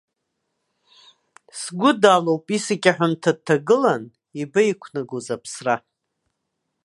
Сгәы далоуп, исакьаҳәымҭа дҭагылан, иабаиқәнагоз аԥсра!